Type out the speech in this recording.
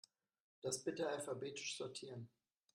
Das bitte alphabetisch sortieren.